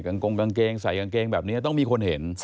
งกงกางเกงใส่กางเกงแบบนี้ต้องมีคนเห็น